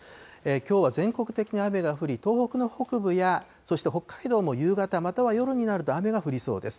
きょうは全国的に雨が降り、東北の北部や、そして北海道も夕方、または夜になると雨が降りそうです。